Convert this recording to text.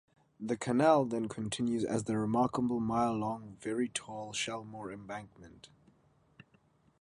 The canal then continues as the remarkable mile-long very tall Shelmore Embankment.